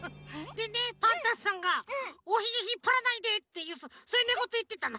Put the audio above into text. でねパンタンさんが「おひげひっぱらないで」ってそういうねごといってたの。